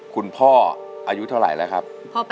คุณพ่ออายุเท่าไหร่แล้วครับ